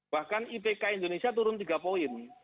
bahkan ipk indonesia turun tiga poin